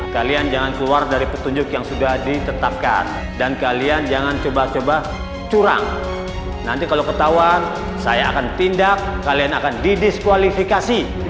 kalian jangan keluar dari petunjuk yang sudah ditetapkan dan kalian jangan coba coba curang nanti kalau ketahuan saya akan tindak kalian akan didiskualifikasi